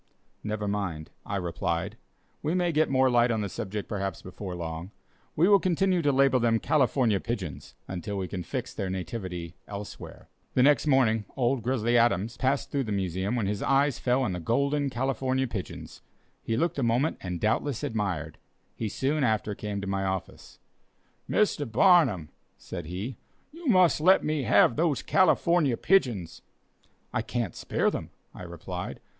"Never mind," I replied, "we may get more light on the subject, perhaps, before long. We will continue to label them 'California Pigeons' until we can fix their nativity elsewhere." The next morning, "Old Grizzly Adams," passed through the Museum when his eyes fell on the "Golden California Pigeons." He looked a moment and doubtless admired. He soon after came to my office. "Mr. Barnum," said he, "you must let me have those California pigeons." "I can't spare them," I replied.